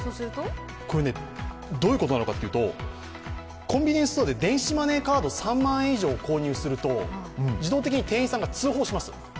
どういうことなのかというと、コンビニエンスストアで電子マネーカードを３万円以上購入すると、自動的に店員さんが通報します。